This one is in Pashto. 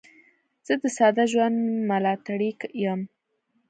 زه د ساده ژوند ملاتړی یم.